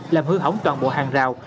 làm hư hỏng toàn bộ hàng rào